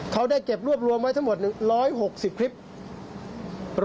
เขาได้เก็บรวบรวมไว้ทั้งหมด๑๖๐คลิป